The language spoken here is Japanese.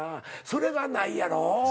それがないやろ。